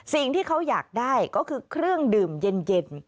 สิ่งที่เขาอยากได้ก็คือเครื่องดื่มเย็น